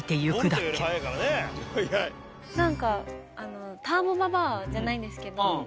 何かターボババアじゃないんですけど。